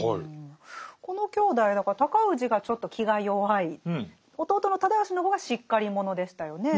この兄弟だから尊氏がちょっと気が弱い弟の直義の方がしっかり者でしたよね。